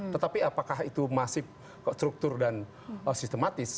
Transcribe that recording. tetapi apakah itu masif struktur dan sistematis